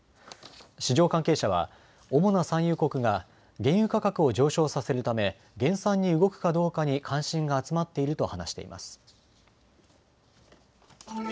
市場関係者は主な産油国が原油価格を上昇させるため減産に動くかどうかに関心が集まっていると話しています。